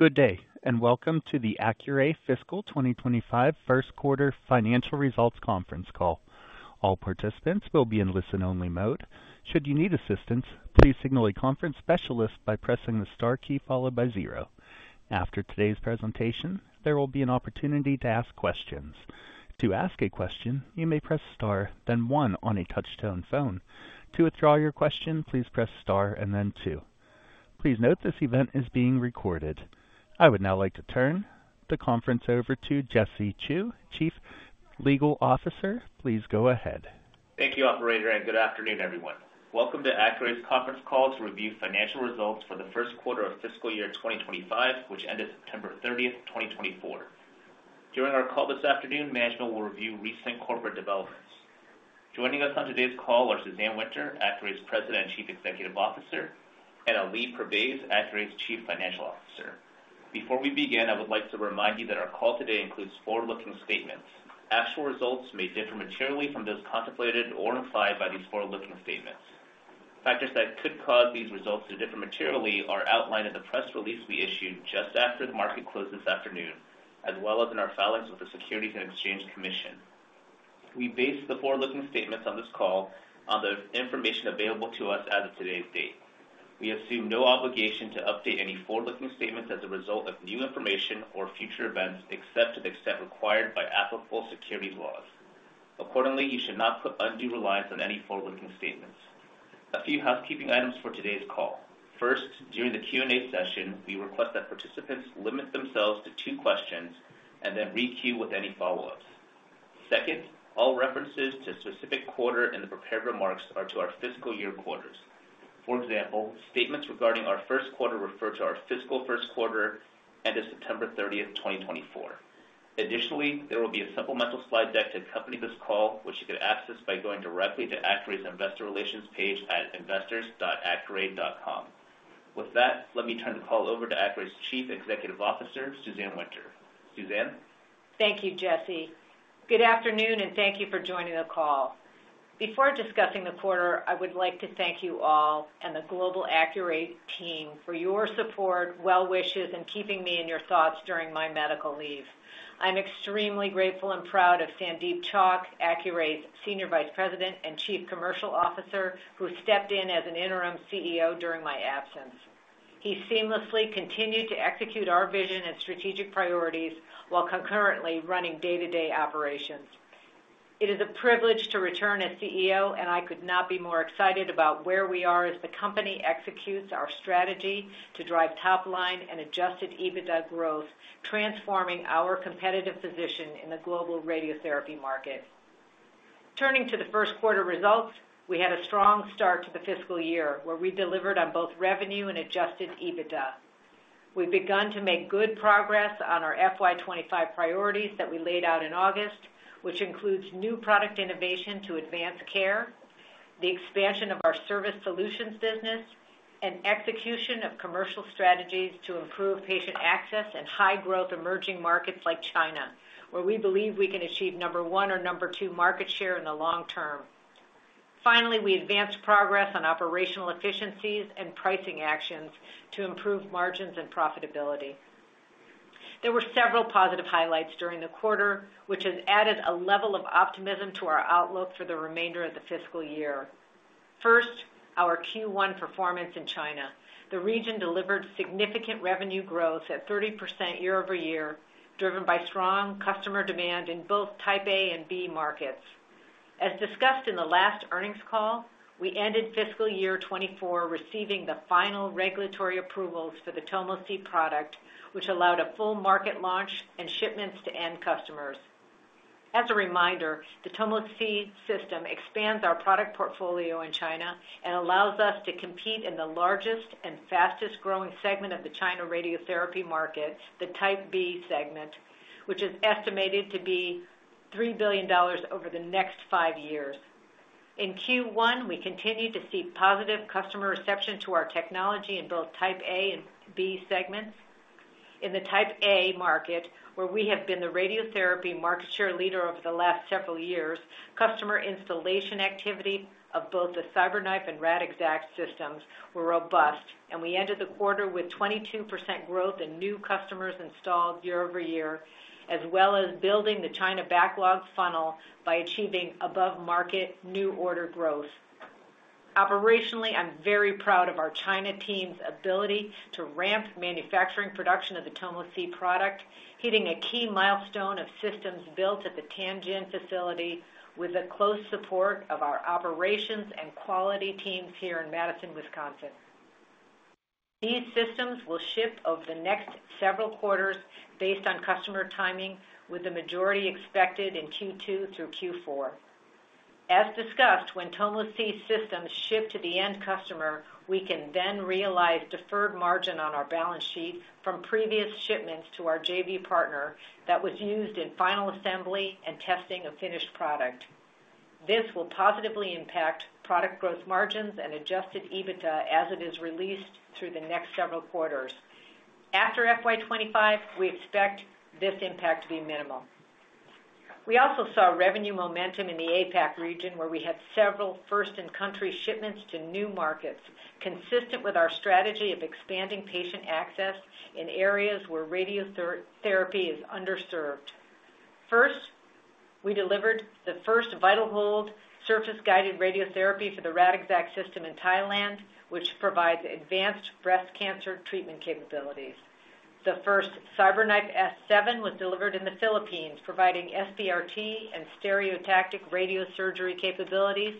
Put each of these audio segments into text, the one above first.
Good day, and welcome to the Accuray Fiscal 2025 First Quarter Financial Results Conference Call. All participants will be in listen-only mode. Should you need assistance, please signal a conference specialist by pressing the star key followed by zero. After today's presentation, there will be an opportunity to ask questions. To ask a question, you may press star, then one on a touch-tone phone. To withdraw your question, please press star and then two. Please note this event is being recorded. I would now like to turn the conference over to Jesse Chew, Chief Legal Officer. Please go ahead. Thank you, Operator, and good afternoon, everyone. Welcome to Accuray's conference call to review financial results for the first quarter of fiscal year 2025, which ended September 30th, 2024. During our call this afternoon, management will review recent corporate developments. Joining us on today's call are Suzanne Winter, Accuray's President and Chief Executive Officer, and Ali Pervaiz, Accuray's Chief Financial Officer. Before we begin, I would like to remind you that our call today includes forward-looking statements. Actual results may differ materially from those contemplated or implied by these forward-looking statements. Factors that could cause these results to differ materially are outlined in the press release we issued just after the market closed this afternoon, as well as in our filings with the Securities and Exchange Commission. We base the forward-looking statements on this call on the information available to us as of today's date. We assume no obligation to update any forward-looking statements as a result of new information or future events, except to the extent required by applicable securities laws. Accordingly, you should not put undue reliance on any forward-looking statements. A few housekeeping items for today's call. First, during the Q&A session, we request that participants limit themselves to two questions and then re-queue with any follow-ups. Second, all references to specific quarter in the prepared remarks are to our fiscal year quarters. For example, statements regarding our first quarter refer to our fiscal first quarter ended September 30th, 2024. Additionally, there will be a supplemental slide deck to accompany this call, which you can access by going directly to Accuray's Investor Relations page at investors.accuray.com. With that, let me turn the call over to Accuray's Chief Executive Officer, Suzanne Winter. Suzanne? Thank you, Jesse. Good afternoon, and thank you for joining the call. Before discussing the quarter, I would like to thank you all and the global Accuray team for your support, well wishes, and keeping me in your thoughts during my medical leave. I'm extremely grateful and proud of Sandeep Chalke, Accuray's Senior Vice President and Chief Commercial Officer, who stepped in as an interim CEO during my absence. He seamlessly continued to execute our vision and strategic priorities while concurrently running day-to-day operations. It is a privilege to return as CEO, and I could not be more excited about where we are as the company executes our strategy to drive top-line and Adjusted EBITDA growth, transforming our competitive position in the global radiotherapy market. Turning to the first quarter results, we had a strong start to the fiscal year, where we delivered on both revenue and Adjusted EBITDA. We've begun to make good progress on our FY2025 priorities that we laid out in August, which includes new product innovation to advance care, the expansion of our service solutions business, and execution of commercial strategies to improve patient access and high-growth emerging markets like China, where we believe we can achieve number one or number two market share in the long term. Finally, we advanced progress on operational efficiencies and pricing actions to improve margins and profitability. There were several positive highlights during the quarter, which has added a level of optimism to our outlook for the remainder of the fiscal year. First, our Q1 performance in China. The region delivered significant revenue growth at 30% year-over-year, driven by strong customer demand in both Type A and B markets. As discussed in the last earnings call, we ended fiscal year 2024 receiving the final regulatory approvals for the Tomo C product, which allowed a full market launch and shipments to end customers. As a reminder, the Tomo C system expands our product portfolio in China and allows us to compete in the largest and fastest-growing segment of the China radiotherapy market, the Type B segment, which is estimated to be $3 billion over the next five years. In Q1, we continue to see positive customer reception to our technology in both Type A and B segments. In the Type A market, where we have been the radiotherapy market share leader over the last several years, customer installation activity of both the CyberKnife and Radixact systems were robust, and we ended the quarter with 22% growth in new customers installed year-over-year, as well as building the China backlog funnel by achieving above-market new order growth. Operationally, I'm very proud of our China team's ability to ramp manufacturing production of the Tomo C product, hitting a key milestone of systems built at the Tianjin facility with the close support of our operations and quality teams here in Madison, Wisconsin. These systems will ship over the next several quarters based on customer timing, with the majority expected in Q2 through Q4. As discussed, when Tomo C systems ship to the end customer, we can then realize deferred margin on our balance sheet from previous shipments to our JV partner that was used in final assembly and testing of finished product. This will positively impact product gross margins and Adjusted EBITDA as it is released through the next several quarters. After FY2025, we expect this impact to be minimal. We also saw revenue momentum in the APAC region, where we had several first-in-country shipments to new markets, consistent with our strategy of expanding patient access in areas where radiotherapy is underserved. First, we delivered the first VitalHold surface-guided radiotherapy for the Radixact system in Thailand, which provides advanced breast cancer treatment capabilities. The first CyberKnife S7 was delivered in the Philippines, providing SBRT and stereotactic radiosurgery capabilities,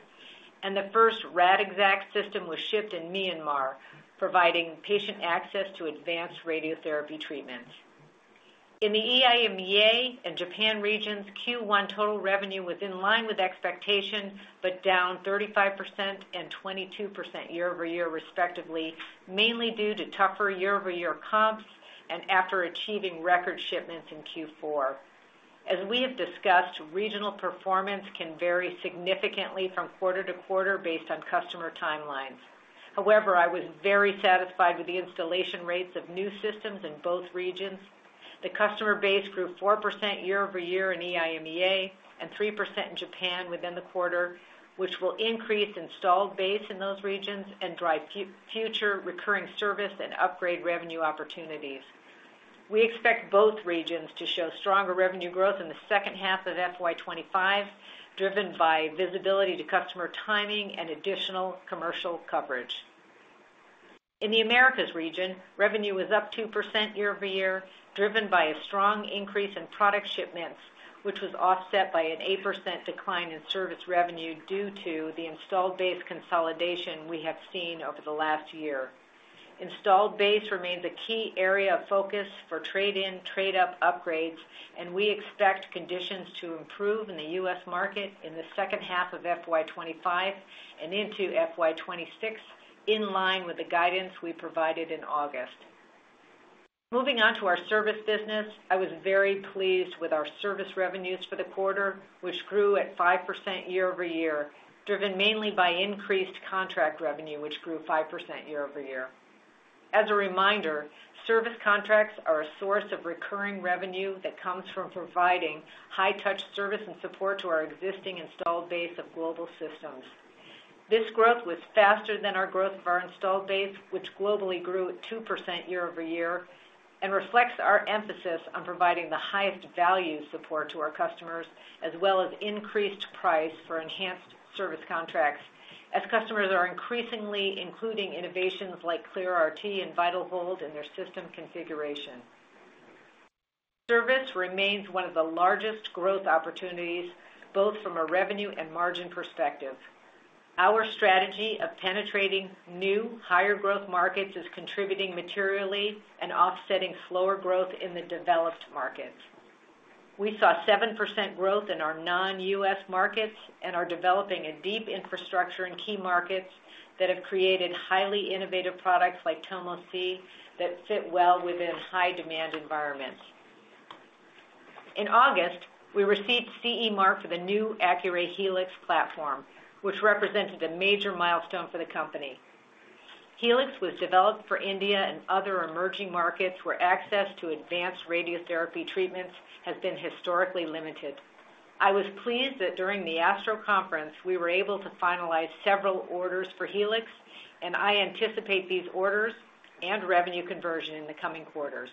and the first Radixact system was shipped in Myanmar, providing patient access to advanced radiotherapy treatments. In the EIMEA and Japan regions, Q1 total revenue was in line with expectation but down 35% and 22% year-over-year, respectively, mainly due to tougher year-over-year comps and after achieving record shipments in Q4. As we have discussed, regional performance can vary significantly from quarter to quarter based on customer timelines. However, I was very satisfied with the installation rates of new systems in both regions. The customer base grew 4% year-over-year in EIMEA and 3% in Japan within the quarter, which will increase installed base in those regions and drive future recurring service and upgrade revenue opportunities. We expect both regions to show stronger revenue growth in the second half of FY25, driven by visibility to customer timing and additional commercial coverage. In the Americas region, revenue was up 2% year-over-year, driven by a strong increase in product shipments, which was offset by an 8% decline in service revenue due to the installed base consolidation we have seen over the last year. Installed base remains a key area of focus for trade-in, trade-up upgrades, and we expect conditions to improve in the U.S. market in the second half of FY25 and into FY26, in line with the guidance we provided in August. Moving on to our service business, I was very pleased with our service revenues for the quarter, which grew at 5% year-over-year, driven mainly by increased contract revenue, which grew 5% year-over-year. As a reminder, service contracts are a source of recurring revenue that comes from providing high-touch service and support to our existing installed base of global systems. This growth was faster than our growth of our installed base, which globally grew 2% year-over-year, and reflects our emphasis on providing the highest value support to our customers, as well as increased price for enhanced service contracts, as customers are increasingly including innovations like ClearRT and VitalHold in their system configuration. Service remains one of the largest growth opportunities, both from a revenue and margin perspective. Our strategy of penetrating new, higher-growth markets is contributing materially and offsetting slower growth in the developed markets. We saw 7% growth in our non-U.S. markets and are developing a deep infrastructure in key markets that have created highly innovative products like Tomo C that fit well within high-demand environments. In August, we received CE mark for the new Accuray Helix platform, which represented a major milestone for the company. Helix was developed for India and other emerging markets where access to advanced radiotherapy treatments has been historically limited. I was pleased that during the Astro Conference, we were able to finalize several orders for Helix, and I anticipate these orders and revenue conversion in the coming quarters.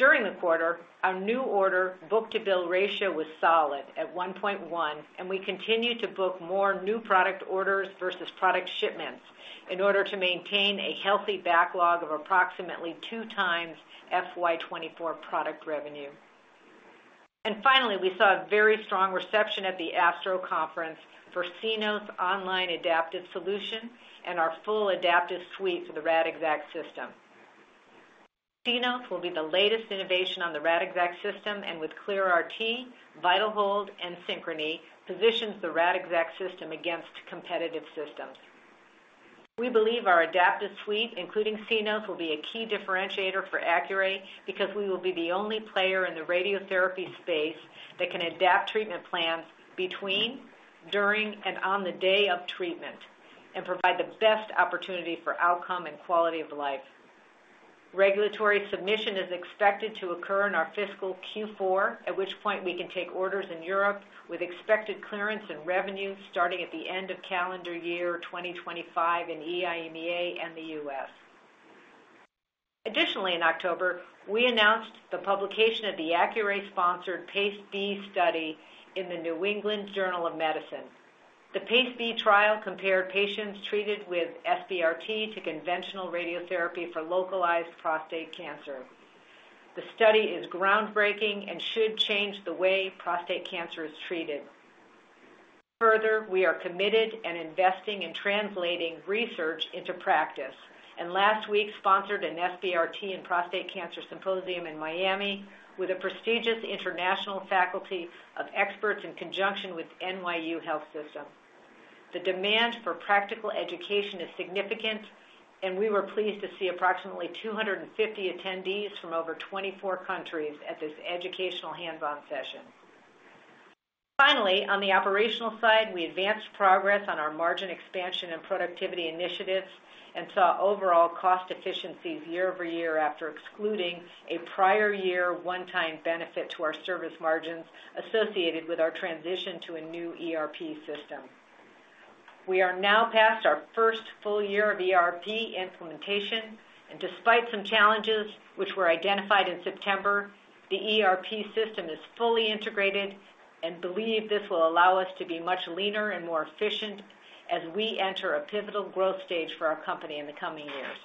During the quarter, our new order book-to-bill ratio was solid at 1.1, and we continue to book more new product orders versus product shipments in order to maintain a healthy backlog of approximately two times FY24 product revenue. And finally, we saw a very strong reception at the Astro Conference for CNOTH's online adaptive solution and our full adaptive suite for the Radixact system. CNOTH will be the latest innovation on the Radixact system, and with ClearRT, VitalHold, and Synchrony, positions the Radixact system against competitive systems. We believe our adaptive suite, including CNOTH, will be a key differentiator for Accuray because we will be the only player in the radiotherapy space that can adapt treatment plans between, during, and on the day of treatment and provide the best opportunity for outcome and quality of life. Regulatory submission is expected to occur in our fiscal Q4, at which point we can take orders in Europe with expected clearance and revenue starting at the end of calendar year 2025 in EIMEA and the U.S. Additionally, in October, we announced the publication of the Accuray-sponsored PACE-B study in the New England Journal of Medicine. The PACE-B trial compared patients treated with SBRT to conventional radiotherapy for localized prostate cancer. The study is groundbreaking and should change the way prostate cancer is treated. Further, we are committed and investing in translating research into practice, and last week sponsored an SBRT and prostate cancer symposium in Miami with a prestigious international faculty of experts in conjunction with NYU Health System. The demand for practical education is significant, and we were pleased to see approximately 250 attendees from over 24 countries at this educational hands-on session. Finally, on the operational side, we advanced progress on our margin expansion and productivity initiatives and saw overall cost efficiencies year-over-year after excluding a prior year one-time benefit to our service margins associated with our transition to a new ERP system. We are now past our first full year of ERP implementation, and despite some challenges, which were identified in September, the ERP system is fully integrated and we believe this will allow us to be much leaner and more efficient as we enter a pivotal growth stage for our company in the coming years.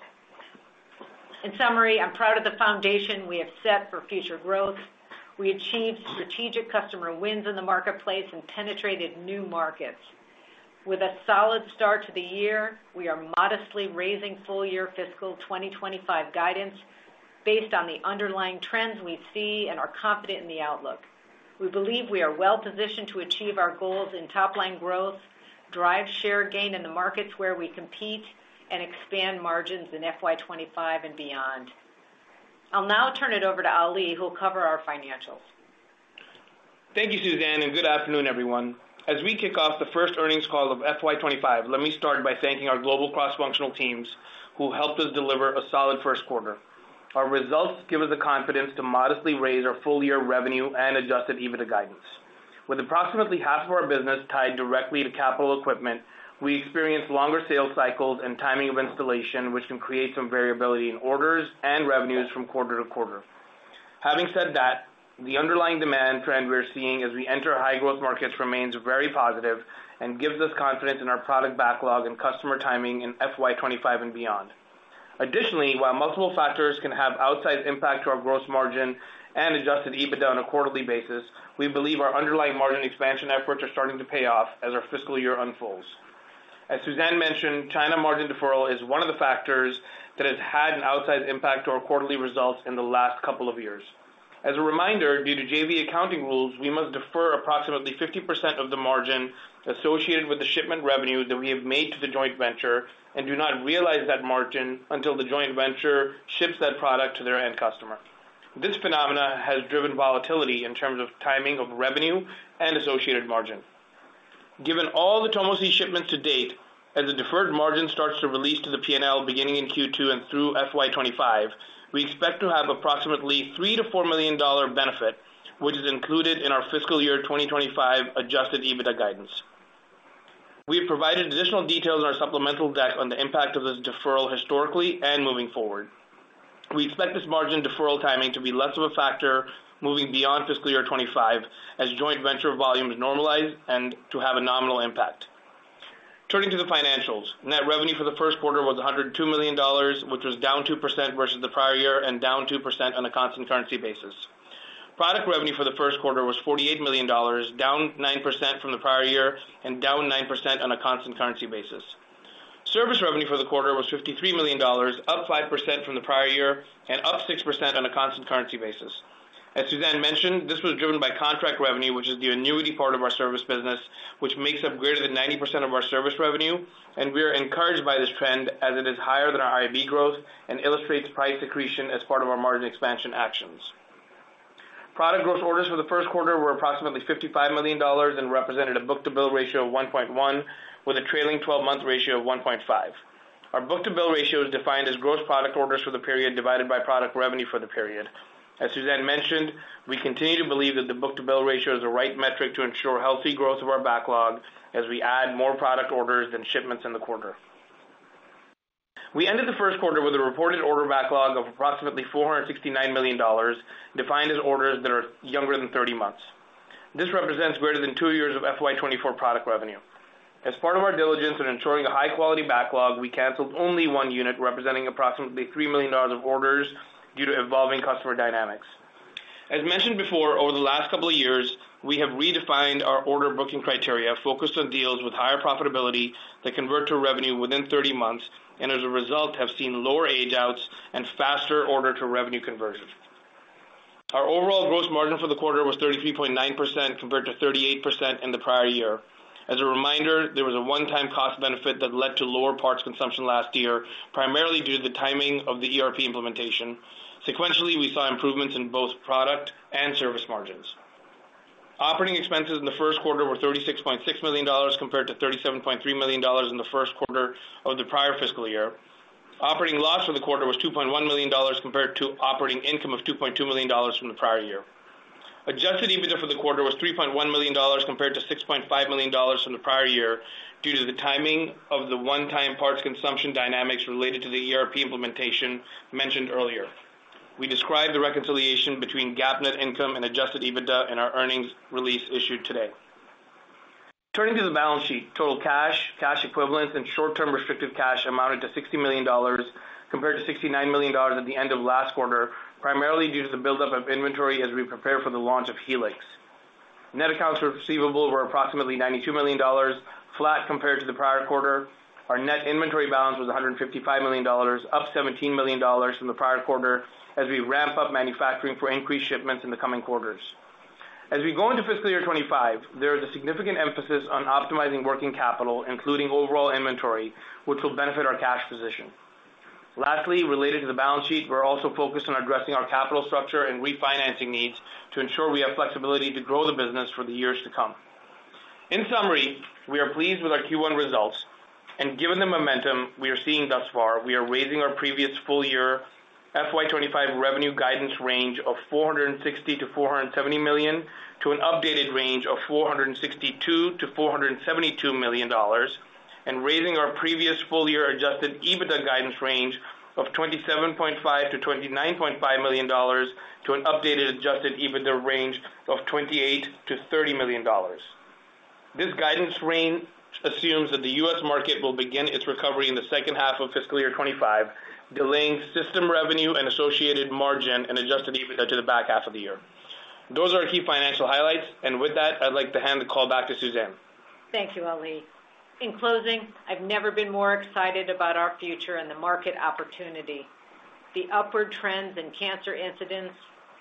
In summary, I'm proud of the foundation we have set for future growth. We achieved strategic customer wins in the marketplace and penetrated new markets. With a solid start to the year, we are modestly raising full-year fiscal 2025 guidance based on the underlying trends we see and are confident in the outlook. We believe we are well-positioned to achieve our goals in top-line growth, drive share gain in the markets where we compete, and expand margins in FY25 and beyond. I'll now turn it over to Ali, who'll cover our financials. Thank you, Suzanne, and good afternoon, everyone. As we kick off the first earnings call of FY2025, let me start by thanking our global cross-functional teams who helped us deliver a solid first quarter. Our results give us the confidence to modestly raise our full-year revenue and Adjusted EBITDA guidance. With approximately half of our business tied directly to capital equipment, we experience longer sales cycles and timing of installation, which can create some variability in orders and revenues from quarter to quarter. Having said that, the underlying demand trend we're seeing as we enter high-growth markets remains very positive and gives us confidence in our product backlog and customer timing in FY2025 and beyond. Additionally, while multiple factors can have outsized impact to our gross margin and Adjusted EBITDA on a quarterly basis, we believe our underlying margin expansion efforts are starting to pay off as our fiscal year unfolds. As Suzanne mentioned, China margin deferral is one of the factors that has had an outsized impact to our quarterly results in the last couple of years. As a reminder, due to JV accounting rules, we must defer approximately 50% of the margin associated with the shipment revenue that we have made to the joint venture and do not realize that margin until the joint venture ships that product to their end customer. This phenomenon has driven volatility in terms of timing of revenue and associated margin. Given all the TomoTherapy shipments to date, as the deferred margin starts to release to the P&L beginning in Q2 and through FY2025, we expect to have approximately $3 million-$4 million benefit, which is included in our fiscal year 2025 adjusted EBITDA guidance. We have provided additional details in our supplemental deck on the impact of this deferral historically and moving forward. We expect this margin deferral timing to be less of a factor moving beyond fiscal year 2025 as joint venture volumes normalize and to have a nominal impact. Turning to the financials, net revenue for the first quarter was $102 million, which was down 2% versus the prior year and down 2% on a constant currency basis. Product revenue for the first quarter was $48 million, down 9% from the prior year and down 9% on a constant currency basis. Service revenue for the quarter was $53 million, up 5% from the prior year and up 6% on a constant currency basis. As Suzanne mentioned, this was driven by contract revenue, which is the annuity part of our service business, which makes up greater than 90% of our service revenue, and we are encouraged by this trend as it is higher than our FY growth and illustrates price accretion as part of our margin expansion actions. Product gross orders for the first quarter were approximately $55 million and represented a book-to-bill ratio of 1.1, with a trailing 12-month ratio of 1.5. Our book-to-bill ratio is defined as gross product orders for the period divided by product revenue for the period. As Suzanne mentioned, we continue to believe that the book-to-bill ratio is the right metric to ensure healthy growth of our backlog as we add more product orders than shipments in the quarter. We ended the first quarter with a reported order backlog of approximately $469 million, defined as orders that are younger than 30 months. This represents greater than two years of FY24 product revenue. As part of our diligence in ensuring a high-quality backlog, we canceled only one unit representing approximately $3 million of orders due to evolving customer dynamics. As mentioned before, over the last couple of years, we have redefined our order booking criteria focused on deals with higher profitability that convert to revenue within 30 months and, as a result, have seen lower age-outs and faster order-to-revenue conversion. Our overall gross margin for the quarter was 33.9% compared to 38% in the prior year. As a reminder, there was a one-time cost benefit that led to lower parts consumption last year, primarily due to the timing of the ERP implementation. Sequentially, we saw improvements in both product and service margins. Operating expenses in the first quarter were $36.6 million compared to $37.3 million in the first quarter of the prior fiscal year. Operating loss for the quarter was $2.1 million compared to operating income of $2.2 million from the prior year. Adjusted EBITDA for the quarter was $3.1 million compared to $6.5 million from the prior year due to the timing of the one-time parts consumption dynamics related to the ERP implementation mentioned earlier. We described the reconciliation between GAAP net income and adjusted EBITDA in our earnings release issued today. Turning to the balance sheet, total cash, cash equivalents, and short-term restricted cash amounted to $60 million compared to $69 million at the end of last quarter, primarily due to the buildup of inventory as we prepared for the launch of Helix. Net accounts receivable were approximately $92 million, flat compared to the prior quarter. Our net inventory balance was $155 million, up $17 million from the prior quarter as we ramp up manufacturing for increased shipments in the coming quarters. As we go into fiscal year 2025, there is a significant emphasis on optimizing working capital, including overall inventory, which will benefit our cash position. Lastly, related to the balance sheet, we're also focused on addressing our capital structure and refinancing needs to ensure we have flexibility to grow the business for the years to come. In summary, we are pleased with our Q1 results, and given the momentum we are seeing thus far, we are raising our previous full-year FY2025 revenue guidance range of $460 million-$470 million to an updated range of $462 million-$472 million and raising our previous full-year Adjusted EBITDA guidance range of $27.5 million-$29.5 million to an updated Adjusted EBITDA range of $28 million-$30 million. This guidance range assumes that the U.S. market will begin its recovery in the second half of fiscal year 2025, delaying system revenue and associated margin and Adjusted EBITDA to the back half of the year. Those are our key financial highlights, and with that, I'd like to hand the call back to Suzanne. Thank you, Ali. In closing, I've never been more excited about our future and the market opportunity. The upward trends in cancer incidence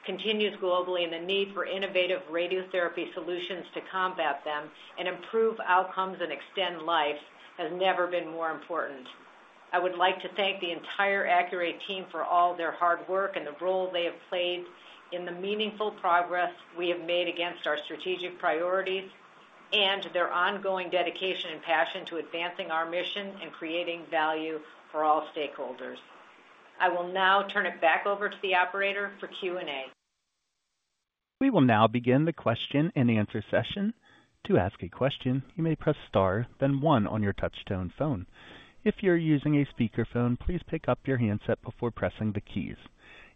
continues globally, and the need for innovative radiotherapy solutions to combat them and improve outcomes and extend life has never been more important. I would like to thank the entire Accuray team for all their hard work and the role they have played in the meaningful progress we have made against our strategic priorities and their ongoing dedication and passion to advancing our mission and creating value for all stakeholders. I will now turn it back over to the operator for Q&A. We will now begin the question and answer session. To ask a question, you may press star, then one on your touch-tone phone. If you're using a speakerphone, please pick up your handset before pressing the keys.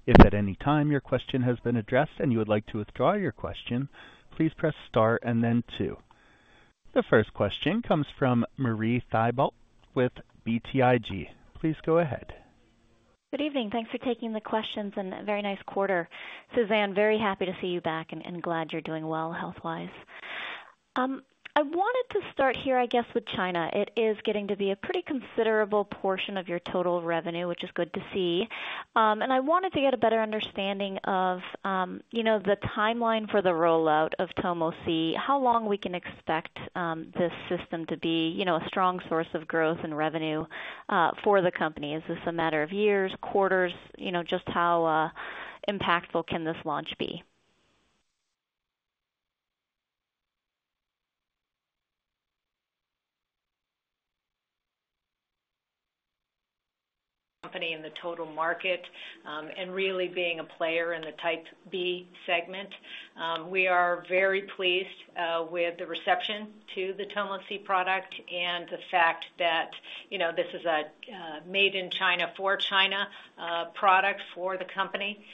If at any time your question has been addressed and you would like to withdraw your question, please press star and then two. The first question comes from Marie Thibault with BTIG. Please go ahead. Good evening. Thanks for taking the questions, and very nice quarter. Suzanne, very happy to see you back and glad you're doing well health-wise. I wanted to start here, I guess, with China. It is getting to be a pretty considerable portion of your total revenue, which is good to see, and I wanted to get a better understanding of the timeline for the rollout of Tomo C, how long we can expect this system to be a strong source of growth and revenue for the company? Is this a matter of years, quarters, just how impactful can this launch be? Company in the total market and really being a player in the type B segment. We are very pleased with the reception to the Tomo C product and the fact that this is a made-in-China for China product for the company.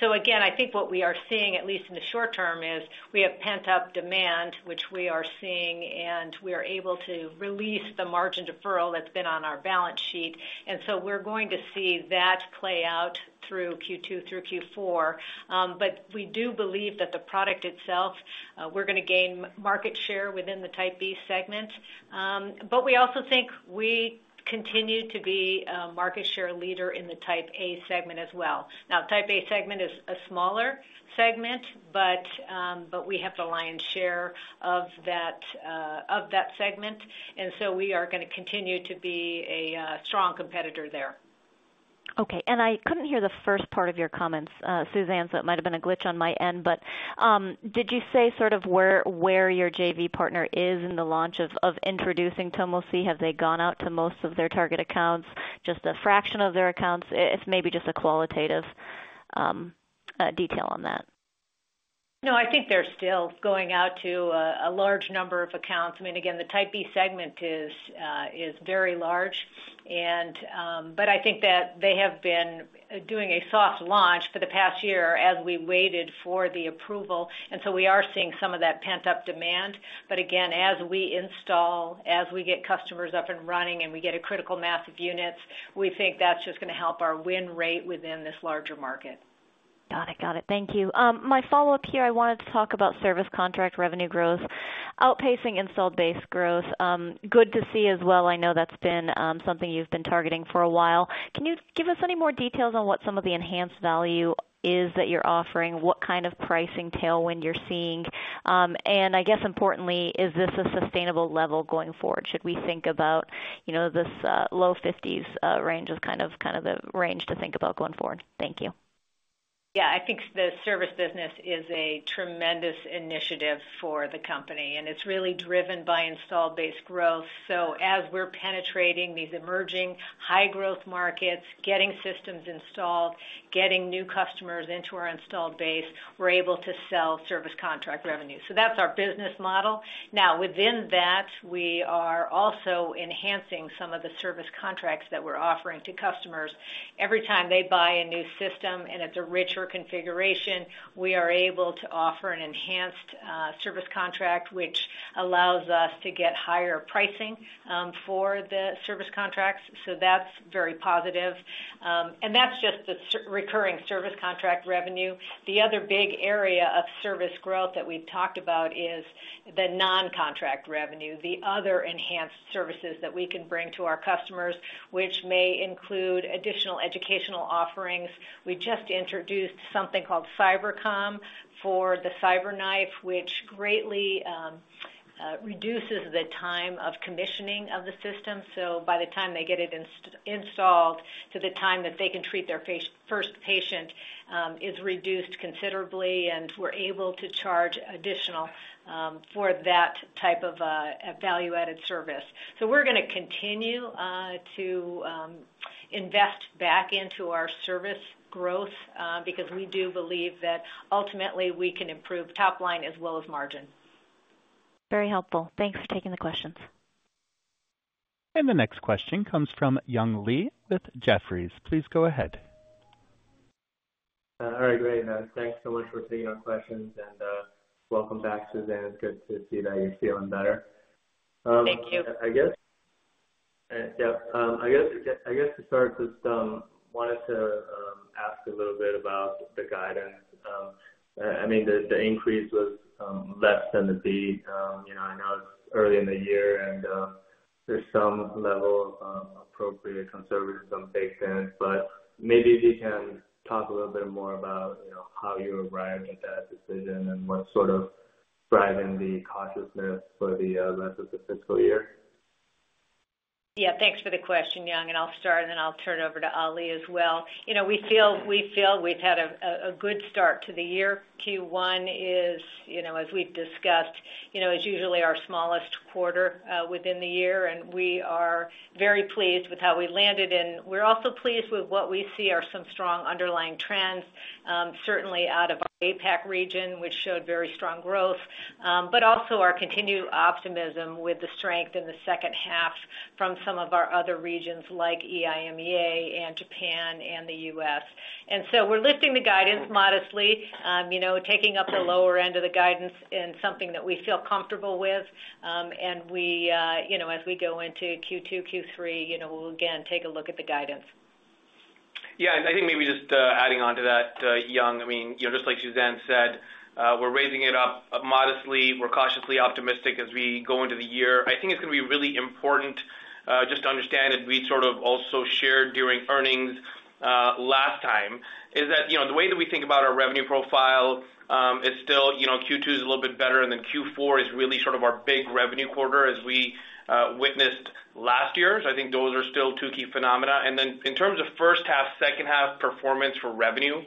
So again, I think what we are seeing, at least in the short term, is we have pent-up demand, which we are seeing, and we are able to release the deferred margin that's been on our balance sheet, and so we're going to see that play out through Q2 through Q4. But we do believe that the product itself, we're going to gain market share within the Type B segment. But we also think we continue to be a market share leader in the Type A segment as well. Now, Type A segment is a smaller segment, but we have the lion's share of that segment, and so we are going to continue to be a strong competitor there. Okay. I couldn't hear the first part of your comments, Suzanne, so it might have been a glitch on my end. Did you say sort of where your JV partner is in the launch of introducing Tomo C? Have they gone out to most of their target accounts, just a fraction of their accounts? It's maybe just a qualitative detail on that. No, I think they're still going out to a large number of accounts. I mean, again, the Type B segment is very large. I think that they have been doing a soft launch for the past year as we waited for the approval. We are seeing some of that pent-up demand. Again, as we install, as we get customers up and running, and we get a critical mass of units, we think that's just going to help our win rate within this larger market. Got it. Got it. Thank you. My follow-up here, I wanted to talk about service contract revenue growth outpacing installed base growth. Good to see as well. I know that's been something you've been targeting for a while. Can you give us any more details on what some of the enhanced value is that you're offering, what kind of pricing tailwind you're seeing? And I guess, importantly, is this a sustainable level going forward? Should we think about this low 50s range as kind of the range to think about going forward? Thank you. Yeah. I think the service business is a tremendous initiative for the company, and it's really driven by installed base growth. So as we're penetrating these emerging high-growth markets, getting systems installed, getting new customers into our installed base, we're able to sell service contract revenue. So that's our business model. Now, within that, we are also enhancing some of the service contracts that we're offering to customers. Every time they buy a new system and it's a richer configuration, we are able to offer an enhanced service contract, which allows us to get higher pricing for the service contracts. So that's very positive, and that's just the recurring service contract revenue. The other big area of service growth that we've talked about is the non-contract revenue, the other enhanced services that we can bring to our customers, which may include additional educational offerings. We just introduced something called CyberComm for the CyberKnife, which greatly reduces the time of commissioning of the system. So by the time they get it installed, to the time that they can treat their first patient is reduced considerably, and we're able to charge additional for that type of value-added service. So we're going to continue to invest back into our service growth because we do believe that ultimately we can improve top line as well as margin. Very helpful. Thanks for taking the questions. And the next question comes from Young Li with Jefferies. Please go ahead. All right. Great. Thanks so much for taking our questions. And welcome back, Suzanne. It's good to see that you're feeling better. Thank you. I guess. Yeah. I guess to start, just wanted to ask a little bit about the guidance. I mean, the increase was less than to be. I know it's early in the year, and there's some level of appropriate conservatism baked in. But maybe if you can talk a little bit more about how you arrived at that decision and what sort of driving the cautiousness for the rest of the fiscal year? Yeah. Thanks for the question, Young. I'll start, and then I'll turn it over to Ali as well. We feel we've had a good start to the year. Q1 is, as we've discussed, usually our smallest quarter within the year. We are very pleased with how we landed in. We're also pleased with what we see are some strong underlying trends, certainly out of our APAC region, which showed very strong growth, but also our continued optimism with the strength in the second half from some of our other regions like EIMEA and Japan and the U.S. We're lifting the guidance modestly, taking up the lower end of the guidance and something that we feel comfortable with. As we go into Q2, Q3, we'll again take a look at the guidance. Yeah. I think maybe just adding on to that, Young. I mean, just like Suzanne said, we're raising it up modestly. We're cautiously optimistic as we go into the year. I think it's going to be really important just to understand, and we sort of also shared during earnings last time, is that the way that we think about our revenue profile is still Q2 is a little bit better, and then Q4 is really sort of our big revenue quarter as we witnessed last year. So I think those are still two key phenomena. And then in terms of first half, second half performance for revenue,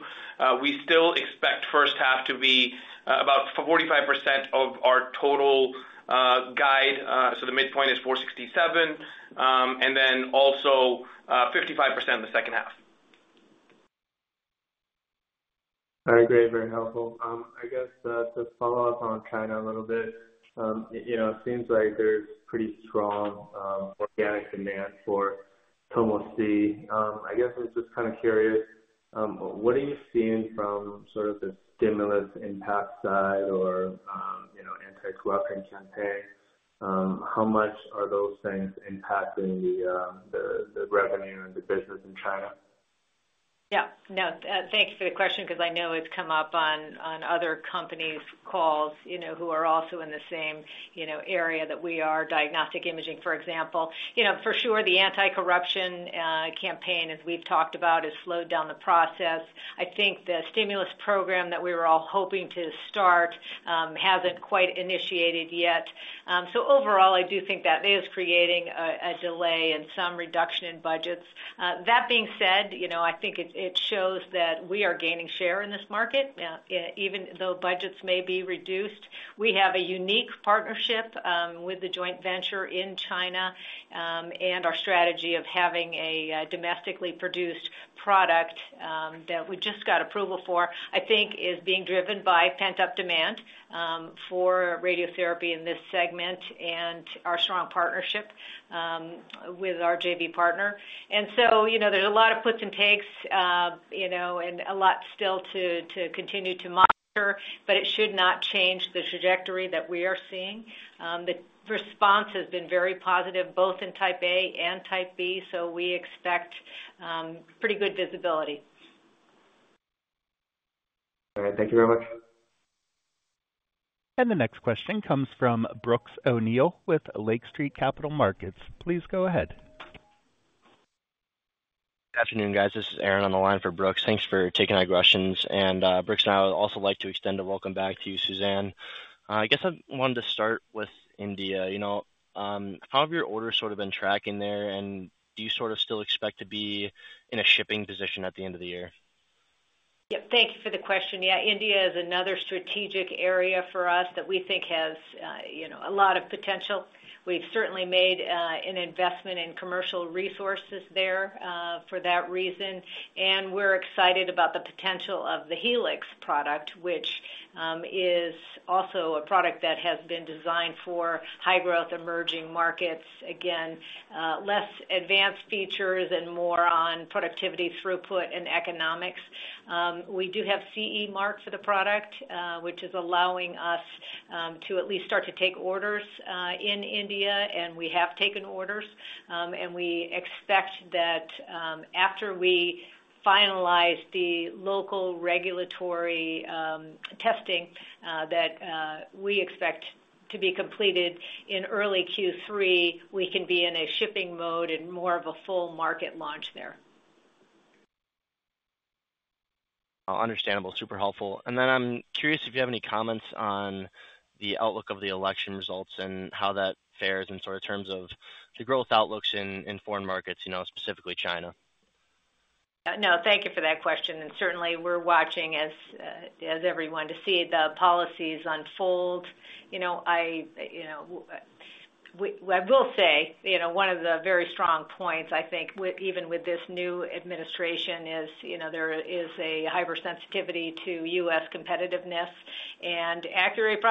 we still expect first half to be about 45% of our total guide. So the midpoint is 467, and then also 55% in the second half. All right. Great. Very helpful. I guess to follow up on China a little bit, it seems like there's pretty strong organic demand for Tomo C. I guess I'm just kind of curious, what are you seeing from sort of the stimulus impact side or anti-corruption campaign? How much are those things impacting the revenue and the business in China? Yeah. No. Thanks for the question because I know it's come up on other companies' calls who are also in the same area that we are, diagnostic imaging, for example. For sure, the anti-corruption campaign, as we've talked about, has slowed down the process. I think the stimulus program that we were all hoping to start hasn't quite initiated yet. So overall, I do think that is creating a delay and some reduction in budgets. That being said, I think it shows that we are gaining share in this market. Even though budgets may be reduced, we have a unique partnership with the joint venture in China, and our strategy of having a domestically produced product that we just got approval for, I think, is being driven by pent-up demand for radiotherapy in this segment and our strong partnership with our JV partner. And so there's a lot of puts and takes and a lot still to continue to monitor, but it should not change the trajectory that we are seeing. The response has been very positive, both in type A and type B, so we expect pretty good visibility. All right. Thank you very much. And the next question comes from Brooks O'Neil with Lake Street Capital Markets. Please go ahead. Good afternoon, guys. This is Aaron on the line for Brooks. Thanks for taking our questions. And Brooks, I would also like to extend a welcome back to you, Suzanne. I guess I wanted to start with India. How have your orders sort of been tracking there, and do you sort of still expect to be in a shipping position at the end of the year? Yep. Thank you for the question. Yeah. India is another strategic area for us that we think has a lot of potential. We've certainly made an investment in commercial resources there for that reason. And we're excited about the potential of the Helix product, which is also a product that has been designed for high-growth emerging markets, again, less advanced features and more on productivity, throughput, and economics. We do have CE mark for the product, which is allowing us to at least start to take orders in India. And we have taken orders. And we expect that after we finalize the local regulatory testing that we expect to be completed in early Q3, we can be in a shipping mode and more of a full market launch there. Understandable. Super helpful. And then I'm curious if you have any comments on the outlook of the election results and how that fares in sort of terms of the growth outlooks in foreign markets, specifically China? Yeah. No. Thank you for that question. And certainly, we're watching, as everyone, to see the policies unfold. I will say one of the very strong points, I think, even with this new administration, is there is a hypersensitivity to U.S. competitiveness. And Accuray is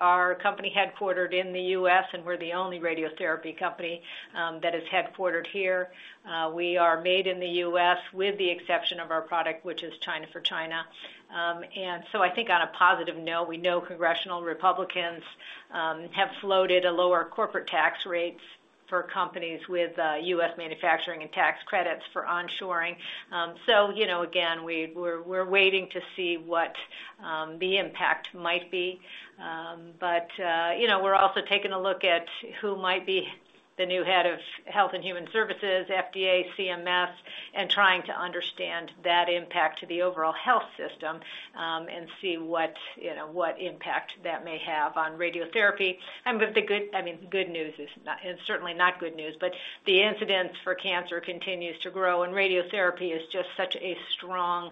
a company headquartered in the U.S., and we're the only radiotherapy company that is headquartered here. We are made in the U.S., with the exception of our product, which is China for China. And so I think on a positive note, we know congressional Republicans have floated a lower corporate tax rates for companies with U.S. manufacturing and tax credits for onshoring. So again, we're waiting to see what the impact might be. But we're also taking a look at who might be the new head of Health and Human Services, FDA, CMS, and trying to understand that impact to the overall health system and see what impact that may have on radiotherapy. And I mean, the good news is certainly not good news, but the incidence for cancer continues to grow. And radiotherapy is just such a strong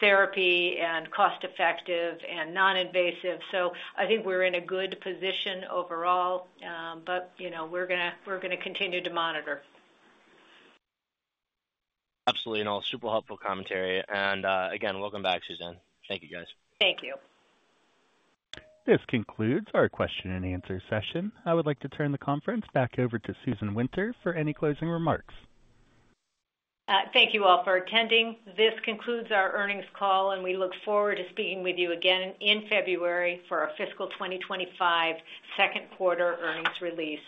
therapy and cost-effective and non-invasive. So I think we're in a good position overall, but we're going to continue to monitor. Absolutely. And all super helpful commentary. And again, welcome back, Suzanne. Thank you, guys. Thank you. This concludes our question and answer session. I would like to turn the conference back over to Suzanne Winter for any closing remarks. Thank you all for attending. This concludes our earnings call, and we look forward to speaking with you again in February for our fiscal 2025 second quarter earnings release.